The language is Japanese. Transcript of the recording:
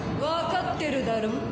わかってるだろ？